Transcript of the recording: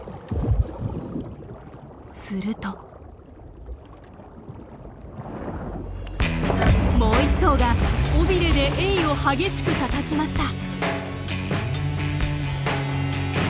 するともう１頭が尾びれでエイを激しくたたきました。